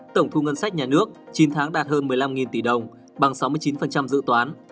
tổng thu ngân sách nhà nước chín tháng đạt hơn một mươi năm tỷ đồng bằng sáu mươi chín dự toán